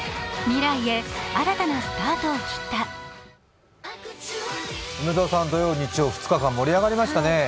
未来へ、新たなスタートを切った梅澤さん、土曜日曜２日間、盛り上がりましたね。